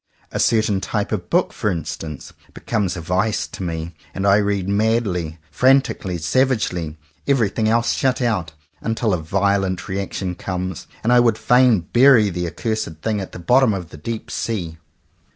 A certain type of book, for in stance, becomes a vice to me, and I read madly, frantically, savagely, everything else shut out, until a violent reaction comes, and I would fain bury the accursed thing at the bottom of the deep sea.